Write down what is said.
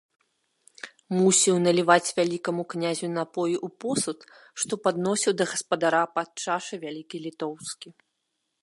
Мусіў наліваць вялікаму князю напоі ў посуд, што падносіў да гаспадара падчашы вялікі літоўскі.